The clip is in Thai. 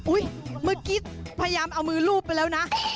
เมื่อกี้พยายามเอามือลูบไปแล้วนะ